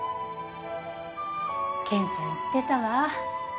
健ちゃん言ってたわ。